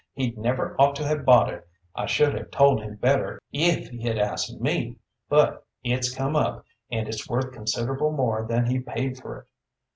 "He'd never ought to have bought it. I should have told him better if he had asked me, but it's come up, and it's worth considerable more than he paid for it.